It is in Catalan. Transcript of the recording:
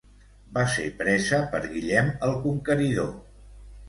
Va ser presa per Guillem el Conqueridor.